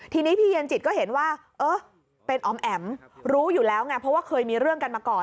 ทีนี้พี่เย็นจิตก็เห็นว่าเออเป็นอ๋อมแอ๋มรู้อยู่แล้วไงเพราะว่าเคยมีเรื่องกันมาก่อน